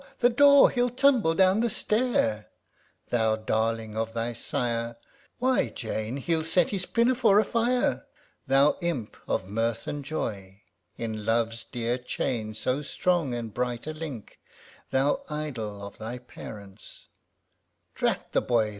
the door ! he'll tumble down the stair !) Thou darling of thy sire ! DOMESTIC POEMS 225 (Why, Jane, hell set his pinafore a fire !) Thou imp of mirth and joy I In Love's dear chain so strong and bright a link, Thou idol of thy parents ŌĆö (Drat the boy